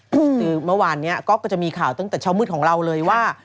คือเมื่อวานนี้ก็จะมีข่าวตั้งแต่เช้ามืดของเราเลยว่า